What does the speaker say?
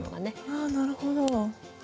あなるほど。